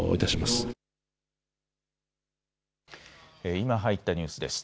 今入ったニュースです。